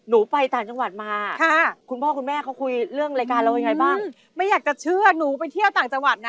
ไม่อยากจะเชื่อหนูไปเที่ยวต่างจังหวัดนะ